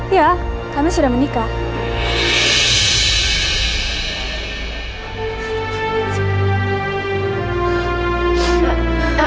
iya kami sudah menikah